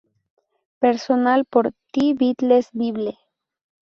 Personal por "The Beatles Bible".